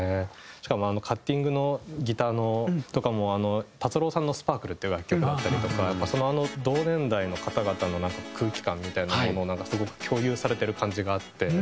しかもあのカッティングのギターとかも達郎さんの『ＳＰＡＲＫＬＥ』っていう楽曲だったりとかあの同年代の方々の空気感みたいなものをすごく共有されてる感じがあって。